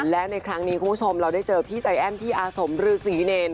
และในครั้งนี้คุณผู้ชมเราได้เจอพี่ใจแอ้นที่อาสมฤษีเนร